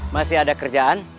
masih ada kerjaan